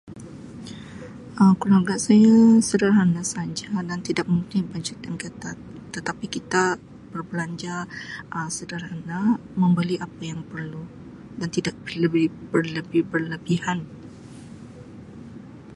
Um Keluarga saya sederhana saja dan tidak mempunyai bajet yang ketat tetapi kita berbelanja Um sederhana membeli apa yang perlu dan tidak berlebi-berlebih-lebihan.